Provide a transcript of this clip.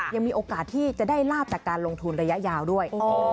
ยังมีโอกาสที่จะได้ลาบจากการลงทุนระยะยาวด้วย